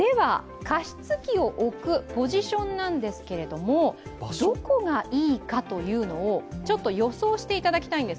加湿器を置くポジションなんですが、どこがいいかというのを予想していただきたいんです。